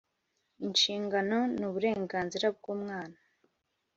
Inshingano n uburenganzira bw umwana